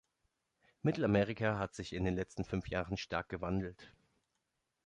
Mittelamerika hat sich in den letzten fünf Jahren stark gewandelt.